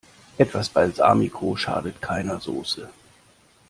Etwas Balsamico schadet keiner Soße.